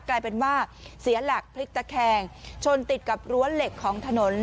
กลายเป็นว่าเสียหลักพลิกตะแคงชนติดกับรั้วเหล็กของถนน